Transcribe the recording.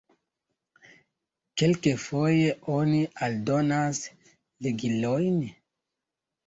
Kelkfoje oni aldonas ligilojn.